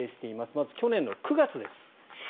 まず去年の９月です。